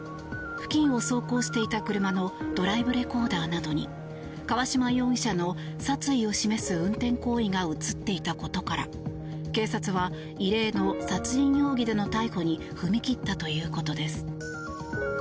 付近を走行していた車のドライブレコーダーなどに川島容疑者の殺意を示す運転行為が映っていたことから警察は異例の殺人容疑での逮捕に踏み切ったということです。